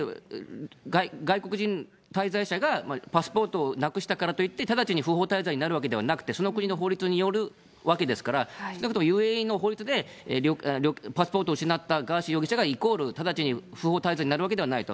外国人滞在者がパスポートをなくしたからといって、直ちに不法滞在になるわけではなくて、その国の法律によるわけですから、少なくともＵＡＥの法律でパスポートを失ったガーシー容疑者が、イコール直ちに不法滞在になるわけではないと。